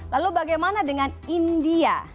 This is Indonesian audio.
lalu bagaimana dengan india